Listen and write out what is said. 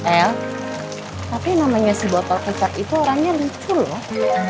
eh tapi namanya si botol kecap itu orangnya lucul loh